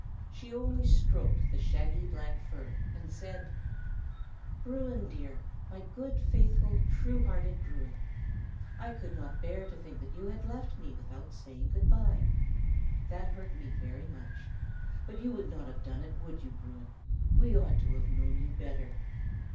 She only stroked the shaggy black fur, and said, "Bruin, dear! my good, faithful, true hearted Bruin! I could not bear to think that you had left me without saying good by. That hurt me very much. But you would not have done it, would you, Bruin? We ought to have known you better."